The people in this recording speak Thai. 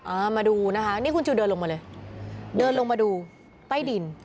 อ่ามาดูนะคะนี่คุณจูเดินลงมาเลยเดินลงมาดูใต้ดิน